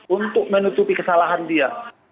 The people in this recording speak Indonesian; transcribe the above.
untuk menutupi kesalahan dia